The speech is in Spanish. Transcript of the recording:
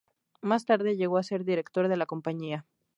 Más tarde llegó a ser director de la compañía.